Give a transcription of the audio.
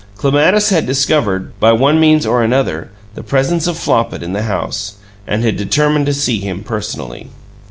Clematis had discovered, by one means or another, the presence of Flopit in the house, and had determined to see him personally.